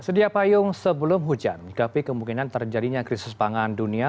sedia payung sebelum hujan tapi kemungkinan terjadinya krisis pangan dunia